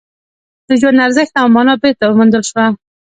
د ژوند ارزښت او مانا بېرته وموندل شوه